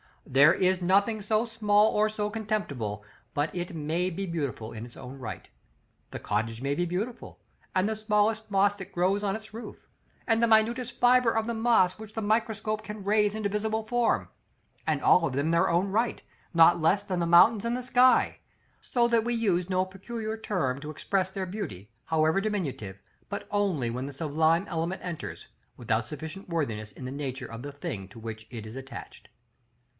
There is nothing so small or so contemptible, but it may be beautiful in its own right. The cottage may be beautiful, and the smallest moss that grows on its roof, and the minutest fibre of that moss which the microscope can raise into visible form, and all of them in their own right, not less than the mountains and the sky; so that we use no peculiar term to express their beauty, however diminutive, but only when the sublime element enters, without sufficient worthiness in the nature of the thing to which it is attached.